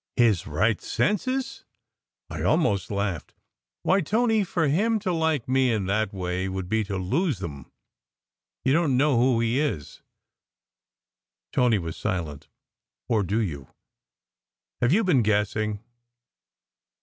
"His right senses!" I almost laughed. "Why, Tony, for him to like me in that way would be to lose them. You don t know who he is." Tony was silent. " Or do you? Have you been guessing?